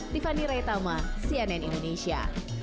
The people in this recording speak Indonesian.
tiffany rayetama cnn indonesia